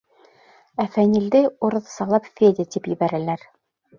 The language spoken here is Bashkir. Ә Фәнилде урыҫсалап Федя тип ебәрәләр.